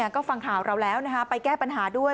ก็ฟังข่าวเราแล้วไปแก้ปัญหาด้วย